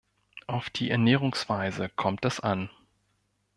Auf die Ernährungsweise kommt es an.